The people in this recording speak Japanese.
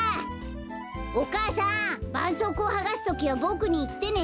お母さんばんそうこうをはがすときはボクにいってね。